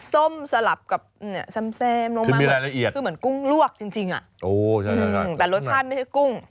ส้มสลับกับแซมคือเหมือนกุ้งลวกจริงแต่รสชาติไม่ใช่กุ้ง